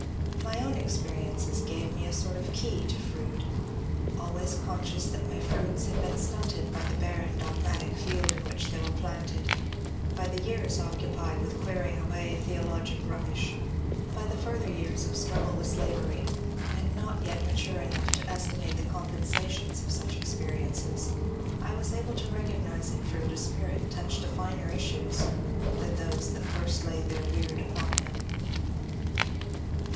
My own experiences gave me a sort of key to Froude. Al ways conscious that my fruits had been stunted by the barren dogmatic field in which they were planted, by the years occu pied with clearing away theologic rubbish, by the further years of struggle with slavery, and not yet mature enough to estimate the compensations of such experiences, I was able to recognize in Froude a spirit touched to finer issues than those that first laid their weird upon him.